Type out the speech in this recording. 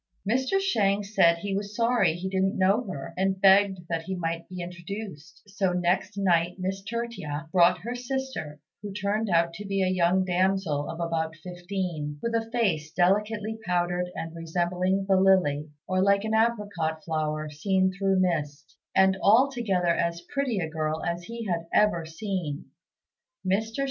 Mr. Shang said he was sorry he didn't know her, and begged that he might be introduced; so next night Miss Tertia brought her sister, who turned out to be a young damsel of about fifteen, with a face delicately powdered and resembling the lily, or like an apricot flower seen through mist; and altogether as pretty a girl as he had ever seen. Mr.